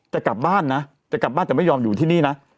จะกลับบ้านนะจะกลับบ้านแต่ไม่ยอมอยู่ที่นี่นะ